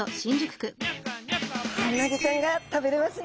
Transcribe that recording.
うなぎちゃんが食べれますね。